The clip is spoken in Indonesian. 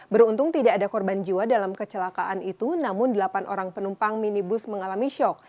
beruntung tidak ada korban jiwa dalam kecelakaan itu namun delapan orang penumpang minibus mengalami shock